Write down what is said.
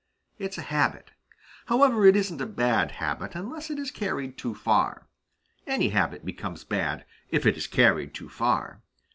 It's a habit. However, it isn't a bad habit unless it is carried too far. Any habit becomes bad, if it is carried too far.